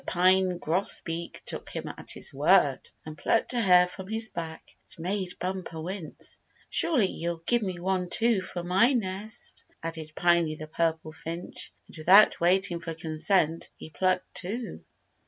Pine Grosbeak took him at his word, and plucked a hair from his back. It made Bumper wince. "Surely you'll give me one, too, for my nest," added Piney the Purple Finch, and without waiting for consent he plucked two.